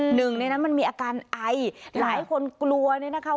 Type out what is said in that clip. หนึ่งในนั้นมันมีอาการไอหลายคนกลัวเนี่ยนะคะ